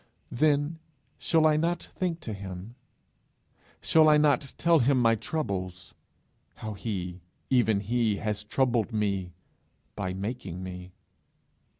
Then shall I not think to him? Shall I not tell him my troubles how he, even he, has troubled me by making me?